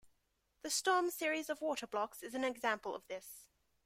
The Storm series of water blocks is an example of this.